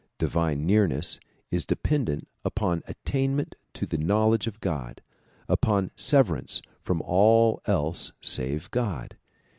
Divine nearness is dependent upon attainment to the knowledge of God, upon severance from all else save God.